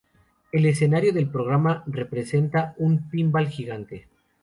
El escenario del programa representaba un Pinball gigante.